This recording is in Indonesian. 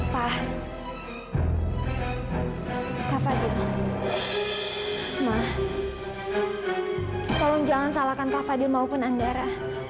pa kak fadil ma tolong jangan salahkan kak fadil maupun andara